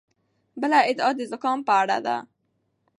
بله ادعا د زکام په اړه ده.